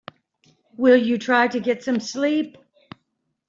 Will you try to get some sleep?